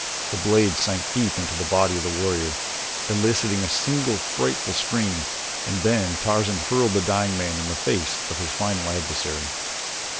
The blade sank deep into the body of the warrior, eliciting a single frightful scream, and then Tarzan hurled the dying man in the face of his final adversary.